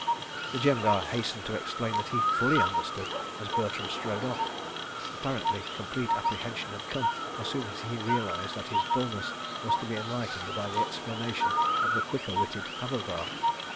The Jemadar hastened to explain that he fully understood, as Bertram strode off. Apparently complete apprehension had come as soon as he realised that his dullness was to be enlightened by the explanation of the quicker witted Havildar.